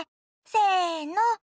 せの。